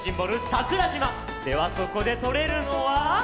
桜島！ではそこでとれるのは。